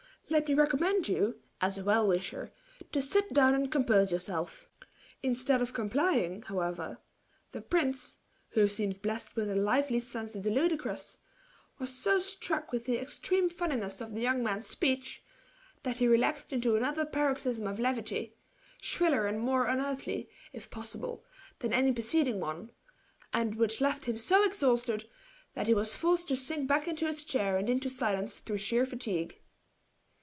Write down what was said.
Let me recommend you, as a well wisher, to sit down and compose yourself." Instead of complying, however, the prince, who seemed blessed with a lively sense of the ludicrous, was so struck with the extreme funniness of the young man's speech, that he relaxed into another paroxysm of levity, shriller and more unearthly, if possible, than any preceding one, and which left him so exhausted, that he was forced to sink into his chair and into silence through sheer fatigue.